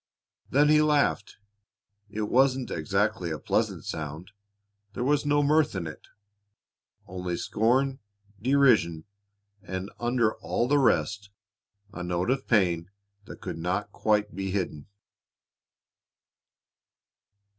Then he laughed. It wasn't exactly a pleasant sound. There was no mirth in it; only scorn, derision, and, under all the rest, a note of pain that could not quite be hidden.